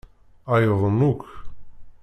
Ɛeyyḍen akk.